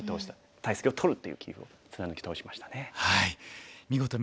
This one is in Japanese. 大石を取るっていう棋風を貫き通しましたね。